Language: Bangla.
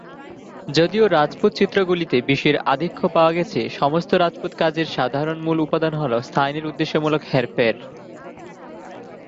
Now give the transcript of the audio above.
যদিও রাজপুত চিত্রগুলিতে বিষয়ের আধিক্য পাওয়া গেছে, সমস্ত রাজপুত কাজের সাধারণ মূল উপাদান হল স্থানের উদ্দেশ্যমূলক হেরফের।